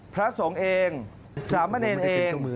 พระสงฆ์เองสามเณรเอง